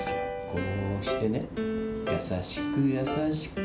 こうしてね、優しく優しく。